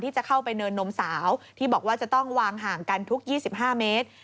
จะเข้าไปเนินนมสาวที่บอกว่าจะต้องวางห่างกันทุก๒๕เมตร